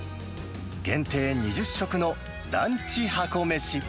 限定２０食のランチ箱めし。